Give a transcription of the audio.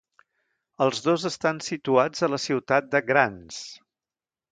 Els dos estan situats a la ciutat de Grants.